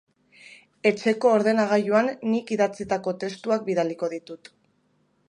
Etxeko ordenagailuan nik idatzitako testuak bilatuko ditut.